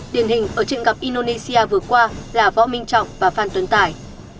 điển hình ở chuyện gặp indonesia vừa qua là võ minh trọng và phan tuấn tài